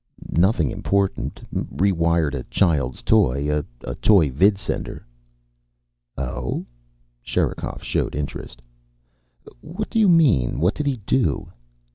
"Nothing important. Rewired a child's toy. A toy vidsender." "Oh?" Sherikov showed interest. "What do you mean? What did he do?"